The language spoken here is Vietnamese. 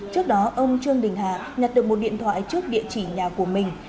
trước đó ông trương đình hà nhặt được một điện thoại trước địa chỉ nhà của mình